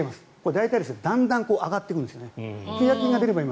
大体だんだん上がっていくんです。